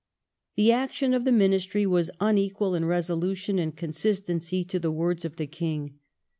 The action of the Ministry was unequal in resolution and con sistency to the words of the King.